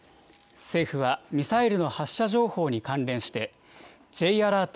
政府はミサイルの発射情報に関連して、Ｊアラート